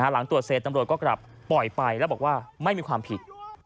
หลังตรวจเสร็จตำรวจก็กลับปล่อยไปแล้วบอกว่าไม่มีความผิด